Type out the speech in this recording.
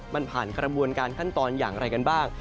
มันผ่านกระบวนการขั้นตอนอย่างไรกันบ้าง